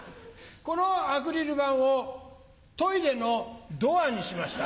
このアクリル板をトイレのドアにしました。